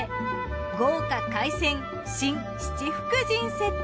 豪華海鮮真・七福神セット。